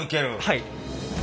はい。